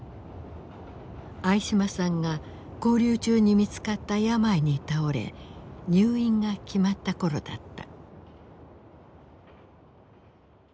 相嶋さんが勾留中に見つかった病に倒れ入院が決まった頃だった。